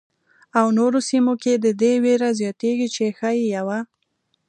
او نورو سیمو کې د دې وېره زیاتېږي چې ښايي یوه.